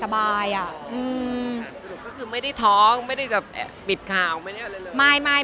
สรุปก็คือไม่ได้ท้องไม่ได้จะปิดข่าวไม่ได้อะไรเลยไม่ไม่